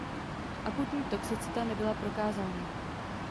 Akutní toxicita nebyla prokázána.